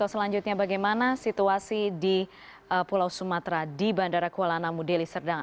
selanjutnya bagaimana situasi di pulau sumatera di bandara kuala namu deli serdang